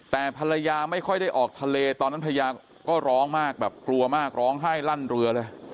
แต่ภรรยาไม่ค่อยได้ออกทะเลตอนนั้นภรรยาก็ร้องมากแบบกลัวมากร้องไห้ลั่นเรือเลย